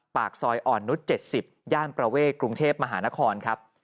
ปากซอยอ่อนนุษย๗๐ย่านประเวทกรุงเทพมหานครครับ